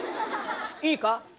いいか？